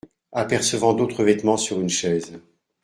Apercevant d’autres vêtements sur une chaise.